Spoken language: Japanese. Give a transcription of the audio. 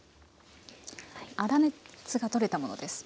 粗熱が取れたものです。